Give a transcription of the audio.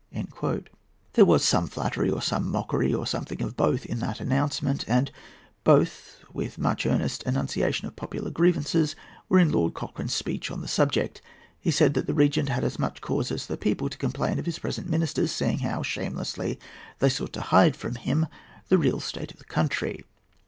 There was some flattery or some mockery, or something of both, in that announcement; and both, with much earnest enunciation of popular grievances, were in Lord Cochrane's speech on the subject. He said that the Regent had as much cause as the people to complain of his present ministers, seeing how shamelessly they sought to hide from him the real state of the country.